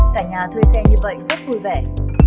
cả nhà thuê xe như vậy rất vui vẻ